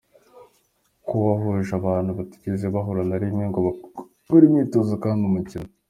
ko wahuje abantu batigeze bahura na rimwe ngo bakore imyitozo kandi umukino.